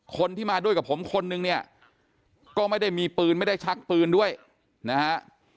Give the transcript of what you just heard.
คนที่มาด้วยกับผมคนนึงเนี่ยก็ไม่ได้มีปืนไม่ได้ชักปืนด้วยนะฮะ